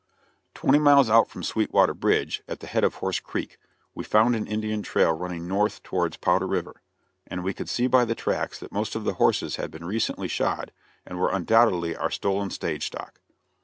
Twenty miles out from Sweetwater Bridge, at the head of Horse Creek, we found an Indian trail running north towards Powder River, and we could see by the tracks that most of the horses had been recently shod and were undoubtedly our stolen stage stock.